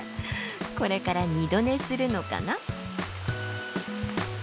これから二度寝するのかな。